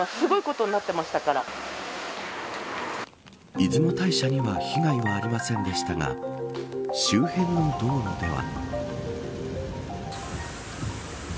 出雲大社には被害はありませんでしたが周辺の道路では。